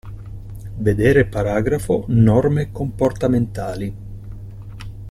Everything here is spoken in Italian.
Vedere paragrafo: Norme comportamentali.